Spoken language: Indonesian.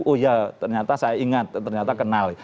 oh ya ternyata saya ingat ternyata kenal